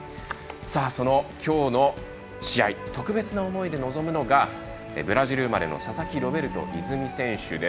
その今日の試合特別な思いで臨むのがブラジル生まれの佐々木ロベルト泉選手。